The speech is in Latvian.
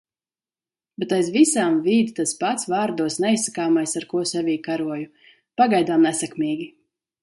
Bet aiz visām vīd tas pats vārdos neizsakāmais, ar ko sevī karoju. Pagaidām nesekmīgi.